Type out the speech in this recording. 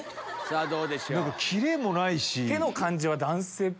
キレもないし。